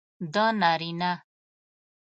د نارینه